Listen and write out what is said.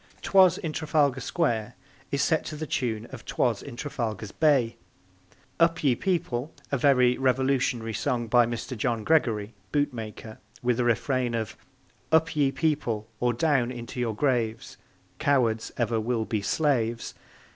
'Twas in Trafalgar Square is set to the tune of 'Twas in Trafalgar's Bay; Up, Ye People! a very revolutionary song by Mr. John Gregory, boot maker, with a refrain of Up, ye People! or down into your graves! Cowards ever will be slaves!